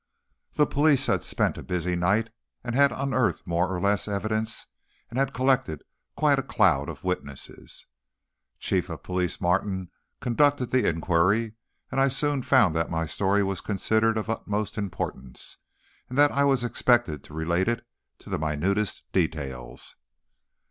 The police had spent a busy night, and had unearthed more or less evidence and had collected quite a cloud of witnesses. Chief of Police Martin conducted the inquiry, and I soon found that my story was considered of utmost importance, and that I was expected to relate it to the minutest details.